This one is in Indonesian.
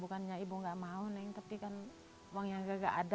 bukannya ibu gak mau neng tapi kan uangnya agak gak ada